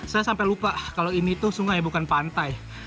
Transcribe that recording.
saya sampai lupa kalau ini tuh sungai bukan pantai